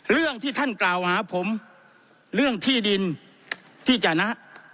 เรื่องที่ท่านกล่าวหาผมเรื่องที่ดินที่จนะ